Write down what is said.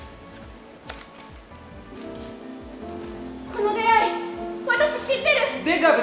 この出会い、私、知ってる！